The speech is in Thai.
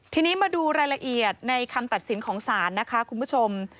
ทีนี้มาดูรายละเอียดในคำตัดสินของศาลนะคะคุณผู้ชม